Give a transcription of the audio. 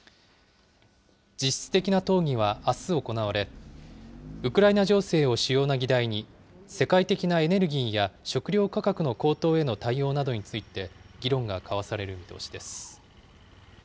実質的な討議はあす行われ、ウクライナ情勢を主要な議題に、世界的なエネルギーや食料価格の高騰への対応などについて議論が交わされる見通しです。